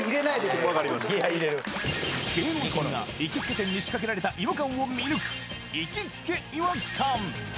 分かりました芸能人が行きつけ店に仕掛けられた違和感を見抜く行きつけ違和感！